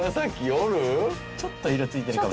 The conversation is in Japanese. ちょっと色付いてるかも。